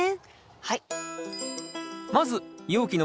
はい。